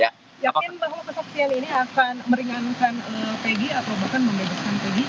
yakin bahwa kesaksian ini akan meringankan peggy atau bahkan membebaskan pegi